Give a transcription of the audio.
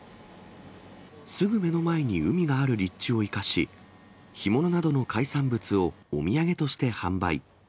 すぐ目の前に海がある立地を生かし、干物などの海産物をお土産として販売。